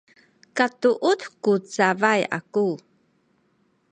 katuud ku cabay aku